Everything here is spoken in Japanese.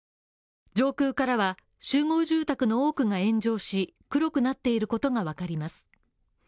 上空からは集合住宅の多くが炎上し黒くなっていることが分かります。